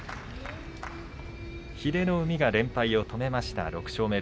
英乃海が連敗を止めました。